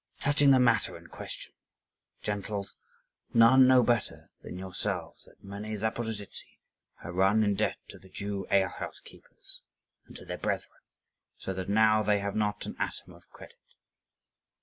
"Touching the matter in question, gentles, none know better than yourselves that many Zaporozhtzi have run in debt to the Jew ale house keepers and to their brethren, so that now they have not an atom of credit.